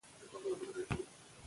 سند به وړاندې شي.